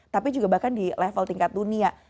tapi juga bahkan di level tingkat dunia